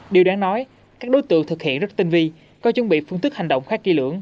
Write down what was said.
điều đáng nói các đối tượng thực hiện rất tinh vi coi chung bị phương thức hành động khá kỳ lưỡng